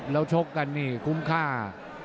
แล้วชกกันนี่คุ้มค่า